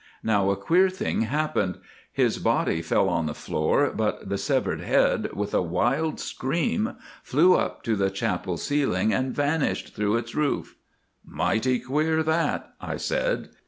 Now a queer thing happened—his body fell on the floor, but the severed head, with a wild scream, flew up to the chapel ceiling and vanished through its roof." "Mighty queer that," I said.